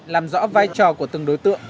làm rõ vai trò của từng đối tượng